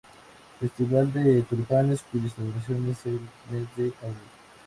Festival de Tulipanes, cuya celebración es en el mes de abril.